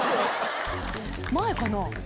前かな？